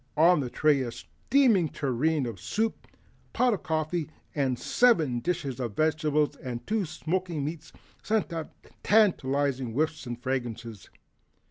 On the tray a steaming tureen of soup, a pot of coffee, seven dishes of vegetables and two of smoking meats sent up tantalizing whiffs and fragrances.